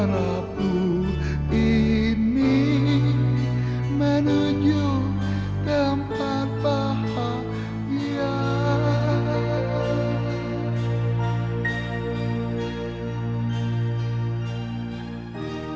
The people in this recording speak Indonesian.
rabu ini menuju tempat bahagia